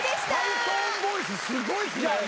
ハイトーンボイスすごいですね。